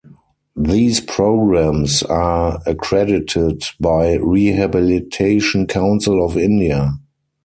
These programs are accredited by Rehabilitation council of India.